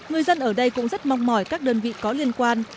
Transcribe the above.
người dân ở đây cũng rất mong mỏi các đơn vị có liên quan